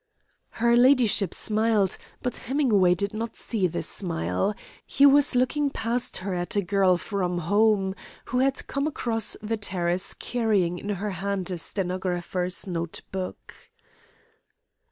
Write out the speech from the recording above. Her ladyship smiled, but Hemingway did not see the smile. He was looking past her at a girl from home, who came across the terrace carrying in her hand a stenographer's note book.